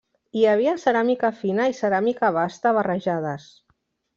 Hi havia ceràmica fina i ceràmica basta barrejades.